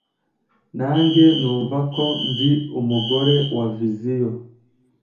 nange numva ko ndi umugore wa viziyo.